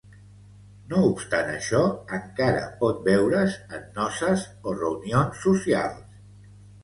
No obstant això, encara pot veure's en noces o reunions socials.